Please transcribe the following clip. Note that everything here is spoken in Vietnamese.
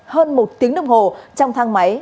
hơn một tiếng đồng hồ trong thang máy